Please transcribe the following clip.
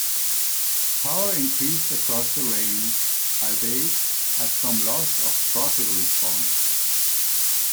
Power increased across the range, albeit at some loss of throttle response.